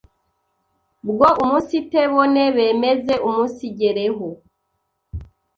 bwo umunsitebone bemeze umunsigereho